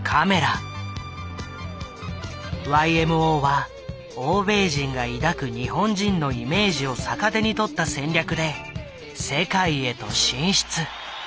ＹＭＯは欧米人が抱く日本人のイメージを逆手にとった戦略で世界へと進出。